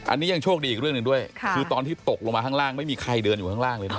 อันนี้ยังโชคดีอีกเรื่องหนึ่งด้วยคือตอนที่ตกลงมาข้างล่างไม่มีใครเดินอยู่ข้างล่างเลยนะ